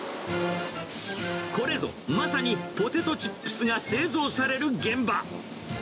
これぞまさにポテトチップスが製造される現場。